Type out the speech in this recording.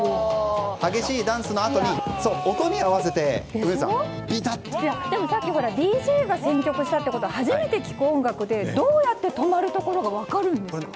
激しいダンスのあとに音に合わせてさっきＤＪが選曲したってことは初めて聴く音楽でどうやって止まるところが分かるんですか？